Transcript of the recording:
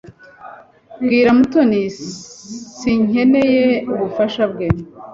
Bwira Mutoni sinkeneye ubufasha bwe.